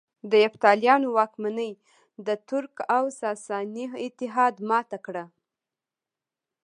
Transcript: د یفتلیانو واکمني د ترک او ساساني اتحاد ماته کړه